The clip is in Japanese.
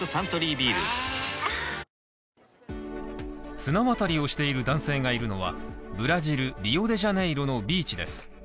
綱渡りをしている男性がいるのはブラジルリオデジャネイロのビーチです。